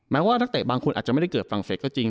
แม้ว่านักเตะบางคนอาจจะไม่ได้เกิดฝรั่งเศสก็จริง